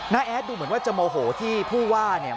แอดดูเหมือนว่าจะโมโหที่ผู้ว่าเนี่ย